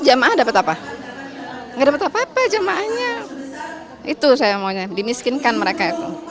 gak dapat apa apa jemaahnya itu saya maunya dimiskinkan mereka